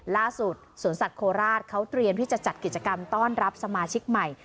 ล่าสุดสวนสัตว์โคราชเขาเตรียมที่จะจัดกิจกรรมต้อนรับสมาชิกใหม่